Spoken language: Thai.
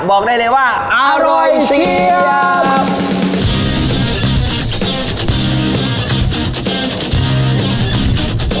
บอกได้เลยว่าอร่อยเสียบ